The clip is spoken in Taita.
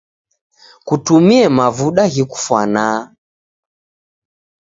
Kutumie mavuda ghikufwanaa.